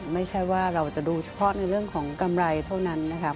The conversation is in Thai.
ไม่ใช่ว่าเราจะดูเฉพาะในเรื่องของกำไรเท่านั้นนะครับ